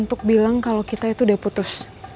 untuk bilang kalau kita itu udah putus